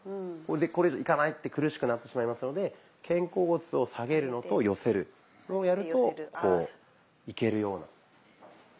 これ以上いかないって苦しくなってしまいますので肩甲骨を下げるのと寄せるこれをやるとこういけるような。